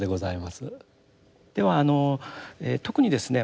ではあの特にですね